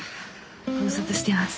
ご無沙汰してます。